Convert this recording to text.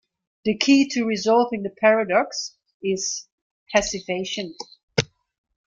The key to resolving the paradox is passivation.